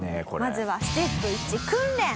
まずはステップ１訓練。